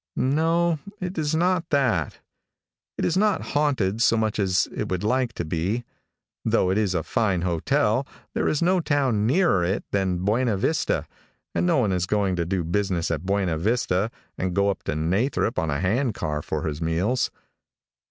No, it is not that. It in not haunted so much as it would like to be. Though it is a fine hotel, there is no town nearer it than Buena Vista, and no one is going to do business at Buena Yista and go up to Nathrop on a hand car for his meals.